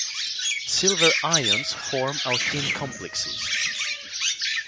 Silver ions form alkene complexes.